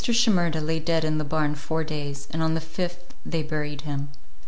SHIMERDA lay dead in the barn four days, and on the fifth they buried him.